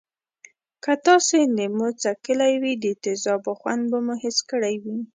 که تاسې لیمو څکلی وي د تیزابو خوند به مو حس کړی وی.